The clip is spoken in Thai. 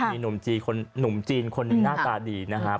มีหนุ่มจีนคนหนึ่งหน้าตาดีนะครับ